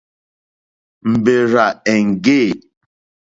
Mbèrzà èŋɡê.